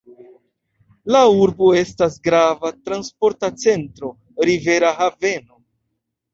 La urbo estas grava transporta centro, rivera haveno.